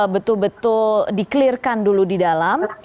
betul betul di clearkan dulu di dalam